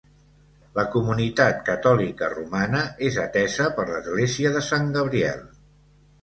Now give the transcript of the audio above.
La comunitat catòlica romana és atesa per l'església de Sant Gabriel.